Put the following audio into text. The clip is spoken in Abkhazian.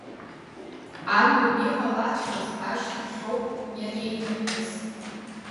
Амҩан иҟалаҵәҟьаз ашьҭахьшәоуп ианеиҭарҳәаз.